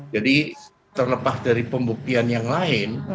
jadi terlepas dari pembuktian yang lain